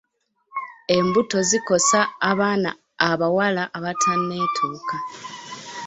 Embuto zikosa abaana abawala abatanneetuuka.